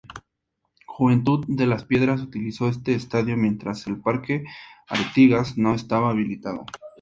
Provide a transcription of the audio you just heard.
Juventud de las Piedras utilizó este estadio mientras el Parque Artigas no estaba habilitado.